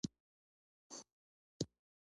د سیمې د ځینو څارونکو له قوله،